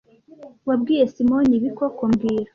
Wabwiye Simoni ibi koko mbwira